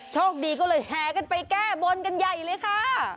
โชคดีก็เลยแหกันไปแก้บนกันใหญ่เลยค่ะ